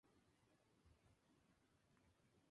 Su filogenia fue obtenida por Antonio Arnaiz-Villena et al.